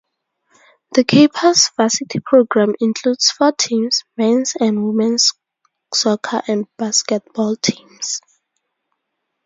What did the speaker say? The Capers' varsity program includes four teams: men's and women's soccer and basketball teams.